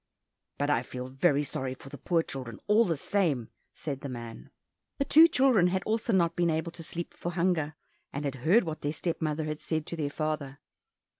"But I feel very sorry for the poor children, all the same," said the man. The two children had also not been able to sleep for hunger, and had heard what their step mother had said to their father.